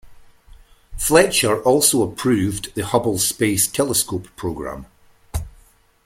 Fletcher also approved the Hubble Space Telescope program.